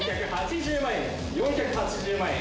４８０万円４８０万円